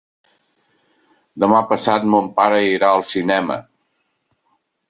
Demà passat mon pare irà al cinema.